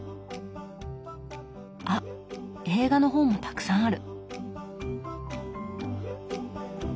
あっ映画の本もたくさんある。